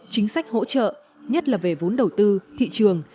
chính sách hỗ trợ nhất là về vốn đầu tư thị trường